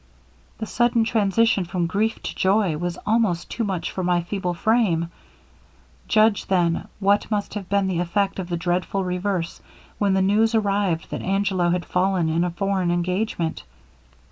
The sudden transition from grief to joy was almost too much for my feeble frame; judge then what must have been the effect of the dreadful reverse, when the news arrived that Angelo had fallen in a foreign engagement!